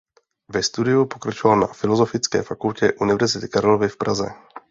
Ve studiu pokračoval na Filozofické fakultě Univerzity Karlovy v Praze.